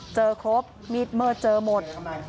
เจอครบมีดเมิดเจอหมด